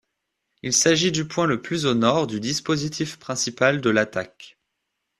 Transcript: Il s'agit du point le plus au nord du dispositif principal de l'attaque.